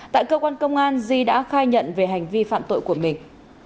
tại cơ quan công an di đã khai nhận về hành vi phạm tội của mình